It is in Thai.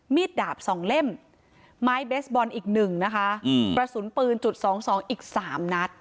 ดาบสองเล่มไม้เบสบอลอีกหนึ่งนะคะอืมกระสุนปืนจุดสองสองอีกสามนัด